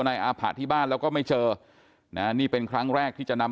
นายอาผะที่บ้านแล้วก็ไม่เจอนะนี่เป็นครั้งแรกที่จะนำ